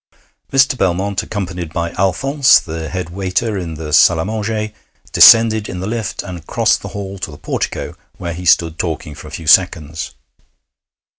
Mr. Belmont, accompanied by Alphonse, the head waiter in the salle à manger, descended in the lift and crossed the hall to the portico, where he stood talking for a few seconds.